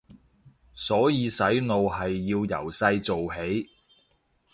所以洗腦係要由細做起